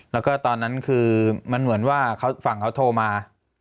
แล้วก็ตอนนั้นคือมันเหมือนว่าฝั่งเขาโทรมา